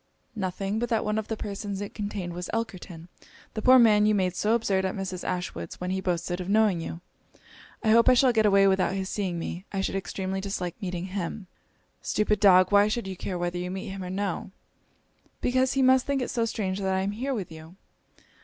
'Nothing, but that one of the persons it contained was Elkerton, the poor man you made so absurd at Mrs. Ashwood's, when he boasted of knowing you. I hope I shall get away without his seeing me I should extremely dislike meeting him.' 'Stupid dog! why should you care whether you meet him or no?' 'Because he must think it so strange that I am here with you.'